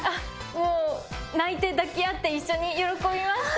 もう泣いて抱き合って一緒に喜びました。